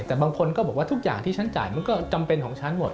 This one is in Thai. แต่บางคนก็บอกว่าทุกอย่างที่ฉันจ่ายมันก็จำเป็นของฉันหมด